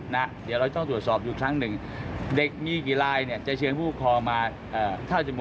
ในส่วนผู้กำลังจรปรมนะครับ